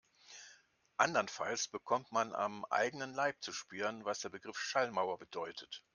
Andernfalls bekommt man am eigenen Leib zu spüren, was der Begriff Schallmauer bedeutet.